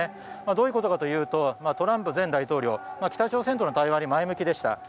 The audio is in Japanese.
どういうことかというとトランプ前大統領は北朝鮮との対話に前向きでした。